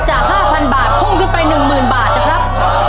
๕๐๐บาทพุ่งขึ้นไป๑๐๐๐บาทนะครับ